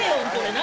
何？